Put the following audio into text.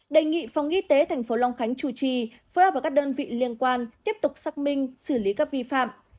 đề nghị phòng y tế tp long khánh chủ trì phối hợp với các đơn vị liên quan tiếp tục xác minh xử lý các vi phạm